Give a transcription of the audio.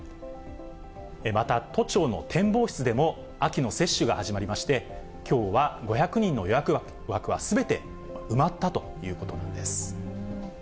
また、都庁の展望室でも秋の接種が始まりまして、きょうは５００人の予約枠はすべて埋まったということなんです。